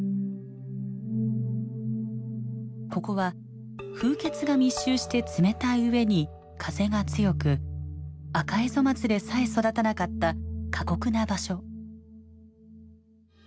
ここは風穴が密集して冷たい上に風が強くアカエゾマツでさえ育たなかった過酷な場所。